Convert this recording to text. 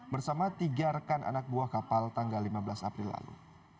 bersama tiga rekan anak buah kapal tanggal lima belas april lalu